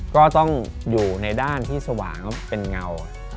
ก็ต้องอยู่ในด้านที่สว่างเป็นเงา